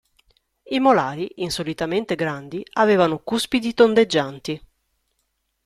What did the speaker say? I molari, insolitamente grandi, avevano cuspidi tondeggianti.